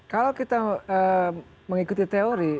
kalau kita mengikuti teori